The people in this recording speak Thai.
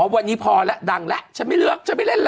วันนี้พอแล้วดังแล้วฉันไม่เลือกฉันไปเล่นแล้ว